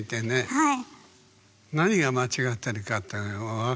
はい。